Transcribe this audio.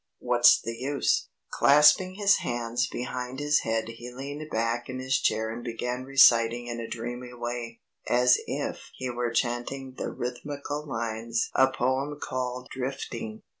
What's the use?" Clasping his hands behind his head he leaned back in his chair and began reciting in a dreamy way, as if he were chanting the rhythmical lines, a poem called "Drifting."